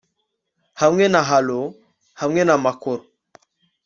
Hamwe na halo hamwe namakoro